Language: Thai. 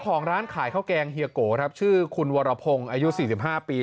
ขายข้าวแกงเฮียโกะชื่อคุณวรพงอายุ๔๕ปี